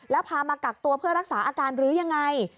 แล้วพามากักตัวเพื่อรักษาอาการหรือยังไง